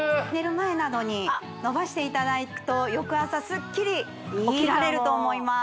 前などに伸ばしていただくと翌朝スッキリ起きられると思います